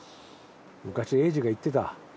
昔栄治が言ってた。